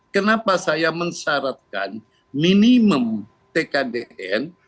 kenapa saya mensyaratkan minimum tkdn